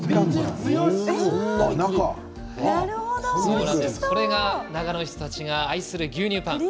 そう、これが長野の人たちが愛する牛乳パン。